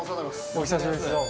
お久しぶりです。